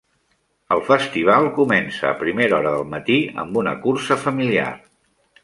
El festival comença a primera hora del matí amb una cursa familiar.